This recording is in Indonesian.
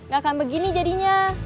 gak akan begini jadinya